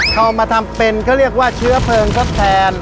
เอามาทำเป็นเขาเรียกว่าเชื้อเพลิงทดแทน